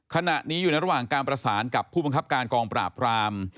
ขณะนี้อยู่ในระหว่างการประสานกับผู้บังคับการกองปราบราม